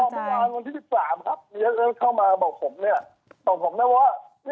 แล้วยังไง